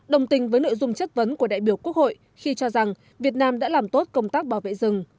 đồng tình với nội dung chất vấn của đại biểu quốc hội khi cho rằng việt nam đã làm tốt công tác bảo vệ rừng